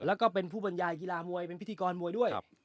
แล้วก็เป็นผู้บรรยายกีฬามวยเป็นพิธีกรมวยด้วย